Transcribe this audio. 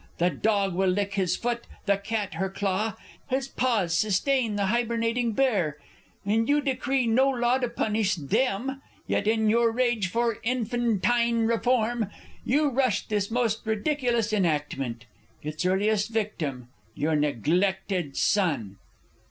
The dog will lick his foot, the cat her claw, His paws sustain the hibernating bear And you decree no law to punish them! Yet, in your rage for infantine reform, You rushed this most ridiculous enactment Its earliest victim your neglected son!